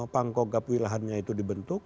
pang kogab wilhannya itu dibentuk